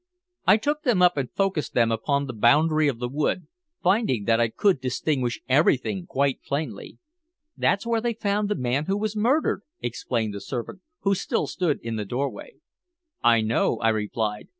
I took them up and focused them upon the boundary of the wood, finding that I could distinguish everything quite plainly. "That's where they found the man who was murdered," explained the servant, who still stood in the doorway. "I know," I replied.